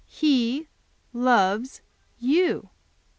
He loves you."